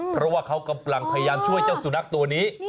เพราะว่าเขากำลังพยายามช่วยเจ้าสุนัขตัวนี้